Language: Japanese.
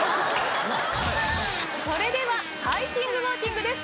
それではハイキングウォーキングです